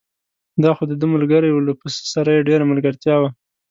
دا خو دده ملګری و، له پسه سره یې ډېره ملګرتیا وه.